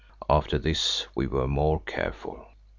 After this we were more careful.